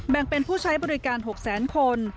แบ่งเป็นผู้ใช้บริการ๖แสนคน